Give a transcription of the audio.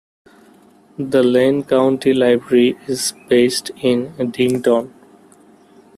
The Lane County Library is based in Dighton.